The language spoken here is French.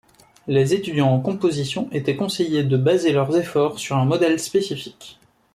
Les étudiants en composition étaient conseillés de baser leurs efforts sur un modèle spécifique.